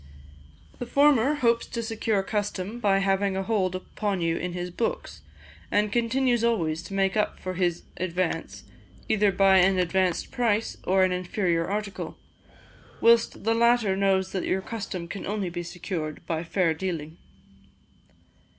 The former hopes to secure custom by having a hold upon you in his books, and continues always to make up for his advance, either by an advanced price, or an inferior article, whilst the latter knows that your custom can only be secured by fair dealing.